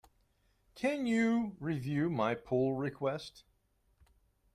Can you review my pull request?